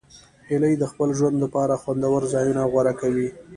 هیلۍ د خپل ژوند لپاره خوندور ځایونه غوره کوي